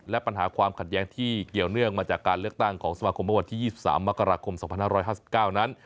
และปัญหาความขัดแย้งที่เกี่ยวเนื่องมาจากการเลือกตั้งของสมาคมเมื่อวันที่๒๓มกราคม๒๕๕๙นั้น